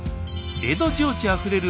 江戸情緒あふれる